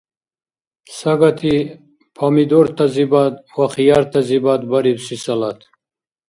Сагати помидортазибад ва хияртазибад барибси салат.